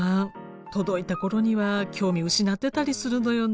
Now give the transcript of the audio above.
届いた頃には興味失ってたりするのよね。